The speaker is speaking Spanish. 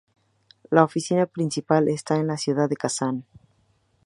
La oficina principal está en la ciudad de Kazán.